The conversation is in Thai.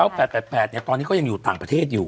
มา๙๘๘๘เนี่ยตอนนี้ก็ยังอยู่ต่างประเทศอยู่